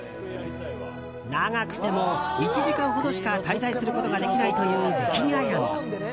長くても１時間ほどしか滞在することができないというビキニアイランド。